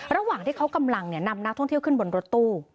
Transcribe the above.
ระหว่างที่เขากำลังนำนักท่องเที่ยวขึ้นบนรถตู้